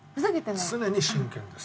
常に真剣です。